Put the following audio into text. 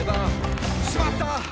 「しまった！